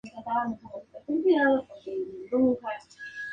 Es un silicato hidroxilado de sodio y manganeso.